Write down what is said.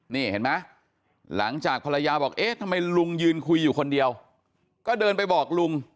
นี้เห็นมั้ยหลังจากภรรยาบอก